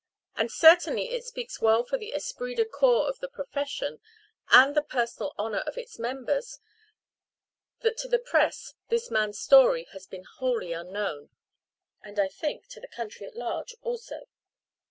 And certainly it speaks well for the esprit de corps of the profession, and the personal honour of its members, that to the press this man's story has been wholly unknown and, I think, to the country at large also.